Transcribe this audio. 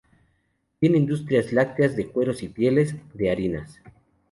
Tiene industrias lácteas, de cueros y pieles, de harinas.